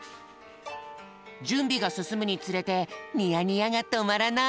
じゅんびがすすむにつれてにやにやがとまらない。